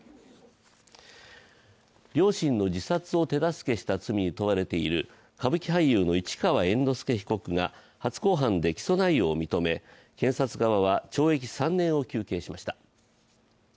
両親の自殺を手助けした罪に問われている歌舞伎俳優の市川猿之助被告が初公判で起訴内容を認め検察側は懲役３年を求刑しました。